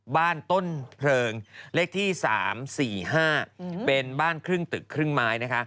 บ้านต้นเพลิงเลขที่๓๔๕เป็นบ้านครึ่งตึกครึ่งไม้นะคะ